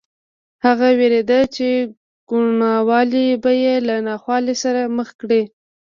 هغه وېرېده چې کوڼوالی به یې له ناخوالې سره مخ کړي